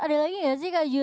ada lagi gak sih kak jules